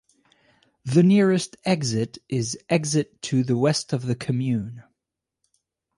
The nearest exit is Exit to the west of the commune.